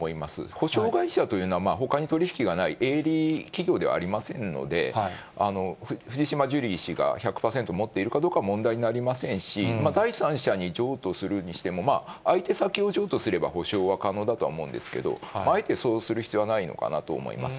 補償会社というのは、ほかに取り引きがない、営利企業ではありませんので、藤島ジュリー氏が１００％持っているかどうか問題になりませんし、第三者に譲渡するにしても、相手先を譲渡すれば、補償は可能だとは思うんですけれども、あえてそうする必要はないのかなと思います。